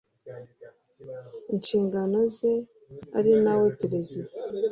inshingano ze ari na we perezida